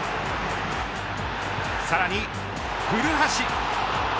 さらに古橋。